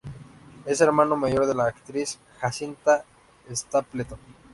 Es hermano mayor de la actriz Jacinta Stapleton.